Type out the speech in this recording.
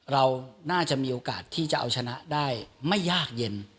เราน่าจะมีโอกาสที่จะเอาชนะได้ไม่ยากเย็น